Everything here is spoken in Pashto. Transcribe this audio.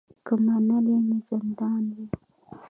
که منلی مي زندان وای